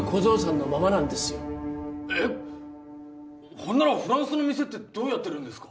ほんならフランスの店ってどうやってるんですか？